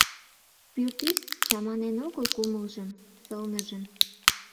Пӱртӱс чаманен огыл кумылжым, сылныжым: